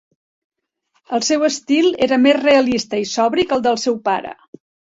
El seu estil era més realista i sobri que el del seu pare.